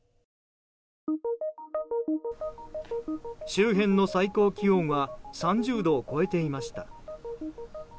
周辺の最高気温は３０度を超えていました。